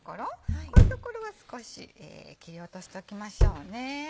こういう所は少し切り落としときましょう。